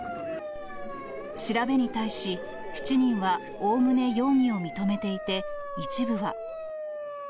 調べに対し７人はおおむね容疑を認めていて、一部は。